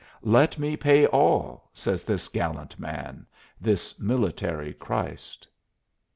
"Let me pay all," says this gallant man this military Christ!